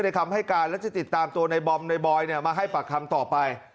คำให้การและจะติดตามตัวในบอมในบอยมาให้ปากคำต่อไป